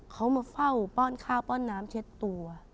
เขามาเฝ้าป้อนข้าวป้อนน้ำเช็ดตัว